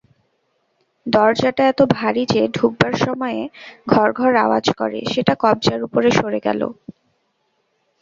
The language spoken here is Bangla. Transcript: দরজাটা এত ভারি যে ঢুকবার সময়ে ঘরঘর আওয়াজ করে সেটা কবজার উপরে সরে গেল।